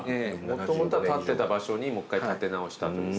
もともと立ってた場所にもう一回建て直したという。